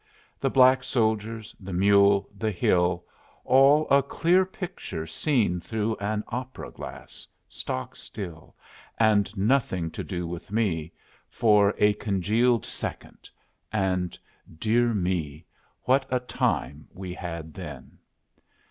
The black soldiers, the mule, the hill, all a clear picture seen through an opera glass, stock still, and nothing to do with me for a congealed second. And, dear me, what a time we had then!